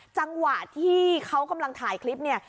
จังหวะที่เขากำลังถ่ายคลิปเนี่ย